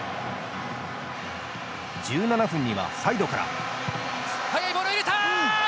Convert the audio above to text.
１７分にはサイドから。